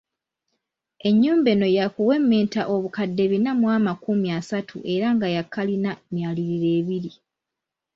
Ennyumba eno yaakuwemmenta obukadde bina mu amakumi asatu era nga ya kkalina myaliiro ebiri.